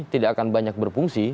tidak akan banyak berfungsi